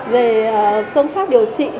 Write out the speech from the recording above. về phương pháp điều trị